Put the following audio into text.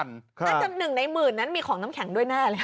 อาจจะหนึ่งในหมื่นนั้นมีของน้ำแข็งด้วยน่า